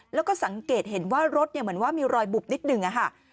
แล้วก็สังเกตเห็นว่ารถเหมือนว่ามีรอยบุบนิดหนึ่งอะค่ะ